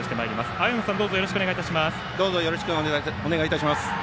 青山さん、どうぞよろしくお願いいたします。